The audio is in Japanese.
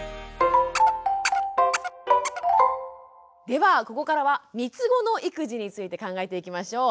ではここからはみつごの育児について考えていきましょう。